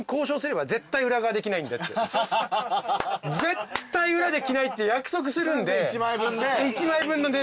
絶対裏で着ないって約束するんで。